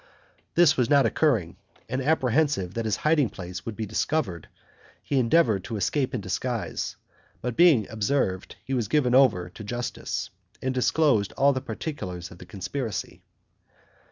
This not occurring, and apprehensive that his hiding place would be discovered, he endeavored to escape in disguise, but being observed, he was given over to justice, and disclosed all the particulars of the conspiracy.